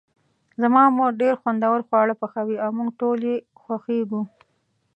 زما مور ډیر خوندور خواړه پخوي او موږ ټول یی خوښیږو